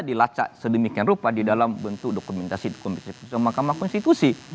dilacak sedemikian rupa di dalam bentuk dokumentasi putusan mahkamah konstitusi